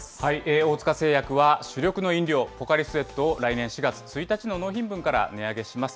大塚製薬は主力の飲料、ポカリスエットを、来年４月１日の納品分から値上げします。